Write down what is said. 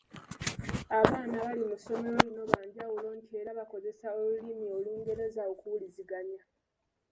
Abaana abali mu ssomero lino banjawulo nti era bakozesa olulimi Olungereza okuwuliziganya.